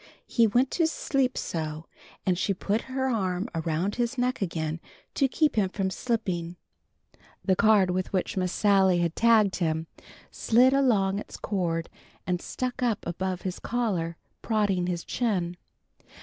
He went to sleep so, and she put her arm around his neck again to keep him from slipping. The card with which Miss Sally had tagged him, slid along its cord and stuck up above his collar, prodding his chin.